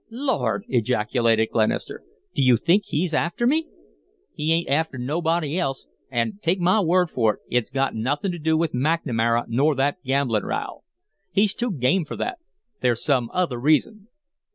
"Lord!" ejaculated Glenister. "Do you think he's after me?" "He ain't after nobody else, an', take my word for it, it's got nothin' to do with McNamara nor that gamblin' row. He's too game for that. There's some other reason."